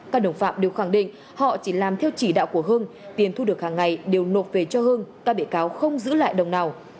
các đồng phạm đều khẳng định họ chỉ làm theo chỉ đạo của hưng tiền thu được hàng ngày đều nộp về cho hưng các bị cáo không giữ lại đồng nào